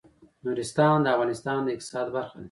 نورستان د افغانستان د اقتصاد برخه ده.